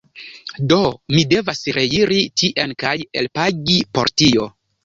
Do, mi devas reiri tien kaj elpagi por tio